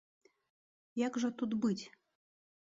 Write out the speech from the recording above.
Як жа тут быць?